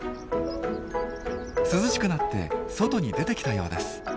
涼しくなって外に出てきたようです。